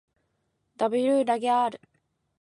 ｗ らげ ｒ